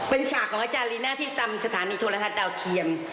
เป็นฉากของอาจารย์ลีน่าที่ตามสถานีโทรทัศน์ดาวเทียม